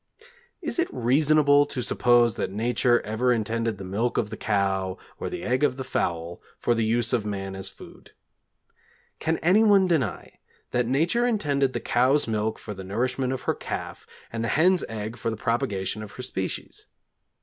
Is it reasonable to suppose that Nature ever intended the milk of the cow or the egg of the fowl for the use of man as food? Can anyone deny that Nature intended the cow's milk for the nourishment of her calf and the hen's egg for the propagation of her species?